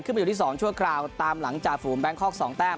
ขึ้นมาอยู่ที่สองช่วงกราวไหลตามหลังจ่าฝูงแบงคอกสองแต้ม